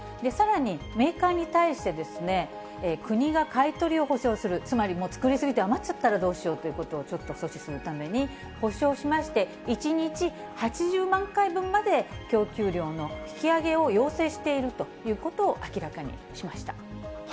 さらに、メーカーに対して国が買い取りを保証する、つまり、もう作り過ぎて余っちゃったらどうしようということを、ちょっと阻止するために、保証しまして、１日８０万回分まで供給量の引き上げを要請しているということを明らかにしました。